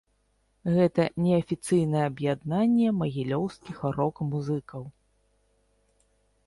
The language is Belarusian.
Гэта неафіцыйнае аб'яднанне магілёўскіх рок-музыкаў.